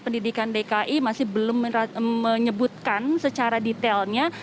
pendidikan dki masih belum menyebutkan secara detailnya